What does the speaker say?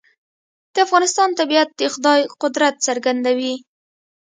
د افغانستان طبیعت د خدای قدرت څرګندوي.